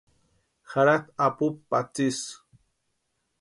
Jaratʼi apupu patsisï.